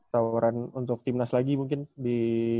tawaran untuk timnas lagi mungkin di